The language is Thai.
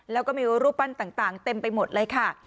แล้วก็มีรูปปั้นต่างเต็มไปหมดเลยค่ะ